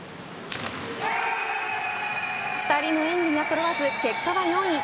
２人の演技がそろわず結果は４位。